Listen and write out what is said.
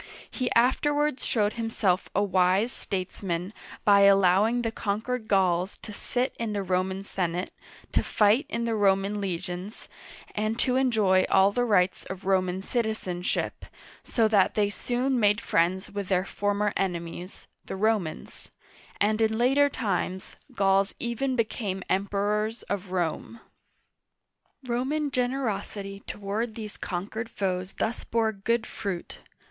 He afterwards showed himself a wise statesman by allowing the conquered Gauls to sit in the Roman senate, to fight in the Roman legions, and to enjoy all the rights of Roman citizenship, so that they soon made friends with their former enemies, the Romans ; and in later times, Gauls even became Emperors of Rome. Roman generosity toward these conquered foes thus bore good fruit.